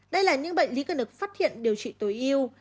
đây là những bệnh lý cần được phát hiện điều trị tối yêu